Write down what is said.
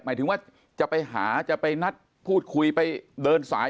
หมายถึงว่าจะไปหาจะไปนัดพูดคุยไปเดินสาย